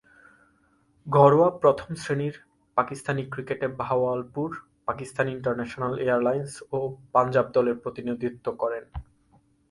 ঘরোয়া প্রথম-শ্রেণীর পাকিস্তানি ক্রিকেটে বাহাওয়ালপুর, পাকিস্তান ইন্টারন্যাশনাল এয়ারলাইন্স ও পাঞ্জাব দলের প্রতিনিধিত্ব করেন।